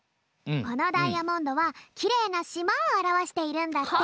このダイヤモンドはきれいなしまをあらわしているんだって。